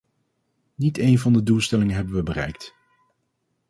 Niet een van de doelstellingen hebben we bereikt.